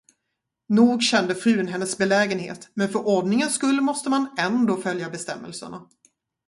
Nog kände frun hennes belägenhet, men för ordningens skull måste man ändå följa bestämmelserna.